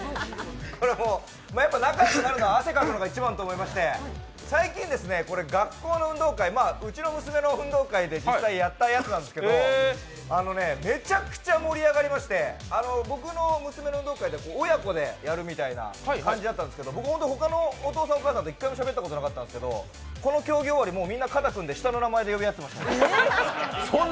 これはもう仲よくなるのは汗かくのが一番と思いまして最近、学校の運動会、うちの娘の運動会で実際やったやつなんですけどめちゃくちゃ盛り上がりまして、僕の娘の運動会では親子でやるみたいな感じだったんですけれども、ほかのお父さん、お母さんと一緒にしゃべったことなかったんですけどこの競技終わり、肩を組んで下の名前で呼び合ってましたね。